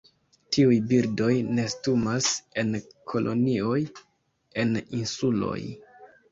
Tiuj birdoj nestumas en kolonioj en insuloj.